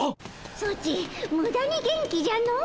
ソチムダに元気じゃの。